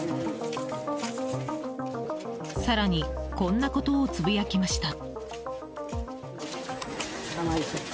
更に、こんなことをつぶやきました。